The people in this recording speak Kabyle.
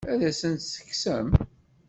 Ad asen-tt-tekksem?